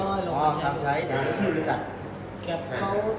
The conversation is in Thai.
บางกลุ่มบางพื้นที่